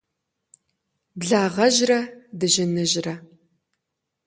Благъэжьрэ дыжьыныжьрэ.